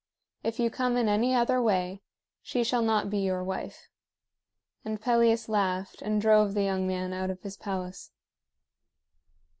If you come in any other way, she shall not be your wife." And Pelias laughed, and drove the young man out of his palace.